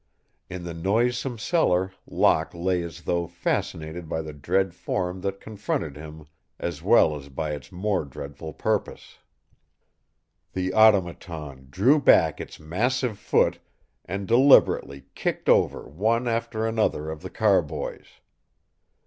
In the noisome cellar Locke lay as though fascinated by the dread form that confronted him, as well as by its more dreadful purpose. The Automaton drew back its massive foot and deliberately kicked over one after another of the carboys.